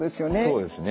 そうですね。